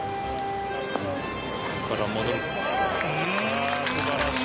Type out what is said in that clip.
ここから戻る素晴らしい。